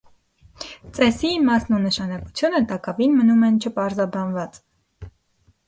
Ծեսի իմաստն ու նշանակությունը տակավին մնում են չպարզաբանված։